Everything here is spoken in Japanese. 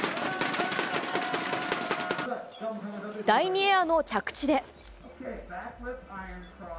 第２エアの着地で。